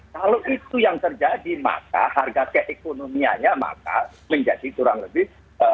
kalau itu yang terjadi maka harga keekonomianya maka menjadi kurang lebih tujuh belas